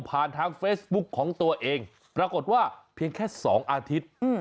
ทางเฟซบุ๊กของตัวเองปรากฏว่าเพียงแค่๒อาทิตย์